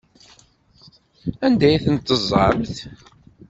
Anda ay ten-teẓẓamt?